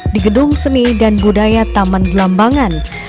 di gedung seni dan budaya taman belambangan